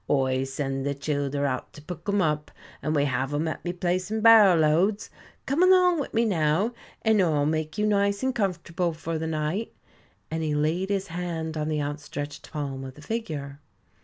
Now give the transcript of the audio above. Oi send the childer out to pick 'em up, and we have 'em at me place in barrow loads. Come along wid me now, and Oi'll make you nice and comfortable for the night," and he laid his hand on the outstretched palm of the figure.